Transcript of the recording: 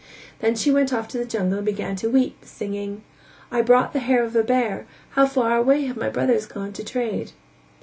Then she went off to the jungle and began to weep, singing: "I brought the hair of a bear: How far away have my brothers gone to trade."